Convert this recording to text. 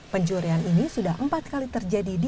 pencurian ini sudah empat kali terjadi di area masjid